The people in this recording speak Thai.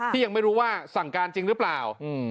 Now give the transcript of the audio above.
ยังไม่รู้ว่าสั่งการจริงหรือเปล่า